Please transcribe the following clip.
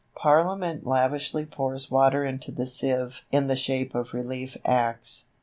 Parliament lavishly pours water into the sieve in the shape of Relief Acts.